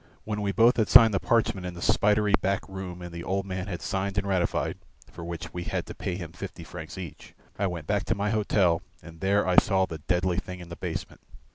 When we both had signed the parchment in the spidery back room and the old man had signed and ratified (for which we had to pay him fifty francs each) I went back to my hotel, and there I saw the deadly thing in the basement.